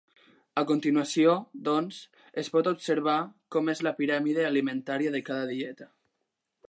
A continuació, doncs, es pot observar com és la piràmide alimentària de cada dieta.